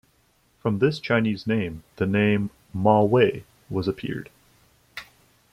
From this Chinese name, the name Ma Wei was appeared.